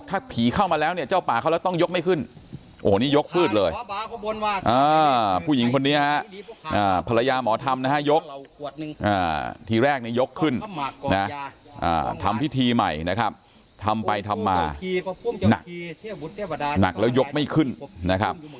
ทำไปทำมาหนักหนักแล้วยกไม่ขึ้นนะครับ